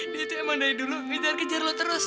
dia tuh yang mandai dulu ngejar kejar lu terus